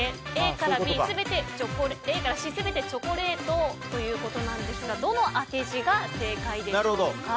ＡからＣ全てチョコレートということですがどの当て字が正解でしょうか。